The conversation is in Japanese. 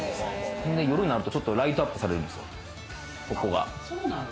夜になるとライトアップされるんですよ、ここが。